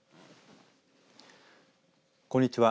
こんにちは。